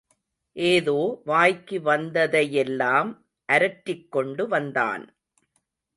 ஏதோ வாய்க்கு வந்ததையெல்லாம் அரற்றிக்கொண்டு வந்தான்.